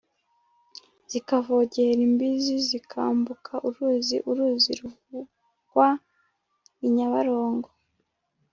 zikavogera imbizi: zikambuka uruzi ( uruzi ruvugwa ni nyabarongo)